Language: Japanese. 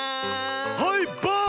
はいバーン！